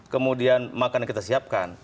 kemudian makanan kita siapkan